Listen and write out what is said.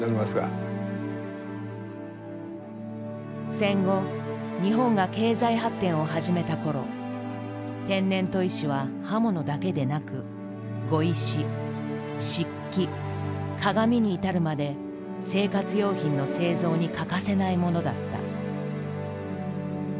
戦後日本が経済発展を始めた頃天然砥石は刃物だけでなく碁石漆器鏡に至るまで生活用品の製造に欠かせないものだった。